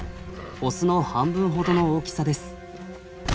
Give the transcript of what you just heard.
オスの半分ほどの大きさです。